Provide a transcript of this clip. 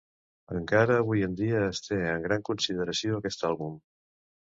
Encara avui en dia es té en gran consideració aquest àlbum.